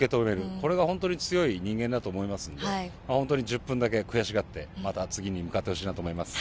これが本当に強い人間だと思いますんで、本当に１０分だけ悔しがって、また次に向かってほしいなと思います。